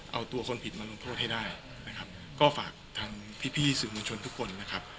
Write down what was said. เอาตัวคนผิดมาลงโทษให้ได้นะครับก็ฝากทางพี่พี่สื่อมวลชนทุกคนนะครับ